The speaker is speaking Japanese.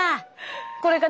これがね